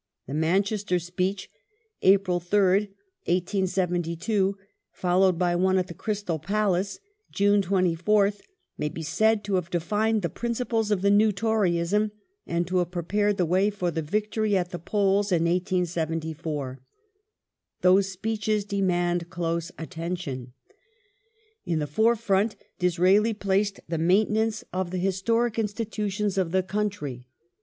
The Manchester speech (April Srd, 1872) followed by one at the Crystal Palace (June 24) may be said to have defined the principles of the New Toryism and to have prepared the way for the victory at the Polls in 1874.^ Those speeches demand close attention. In the forefront Disraeli placed the maintenance of the historic institutions of the country.